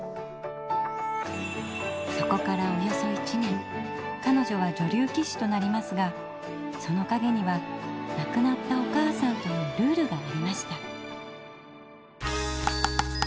そこからおよそ１年かのじょは女流棋士となりますがそのかげにはなくなったお母さんとのルールがありました。